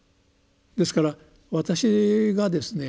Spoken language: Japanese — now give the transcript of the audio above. ですから私がですね